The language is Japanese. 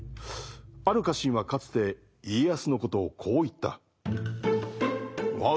ある家臣はかつて家康のことをこう言った。